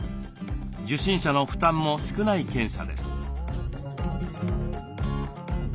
受診者の負担も少ない検査です。